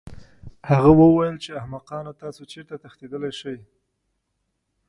هغه وویل چې احمقانو تاسو چېرته تښتېدلی شئ